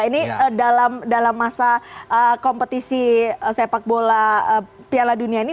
ini dalam masa kompetisi sepak bola piala dunia ini